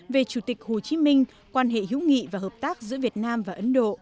về chủ tịch hồ chí minh quan hệ hữu nghị và hợp tác giữa việt nam và ấn độ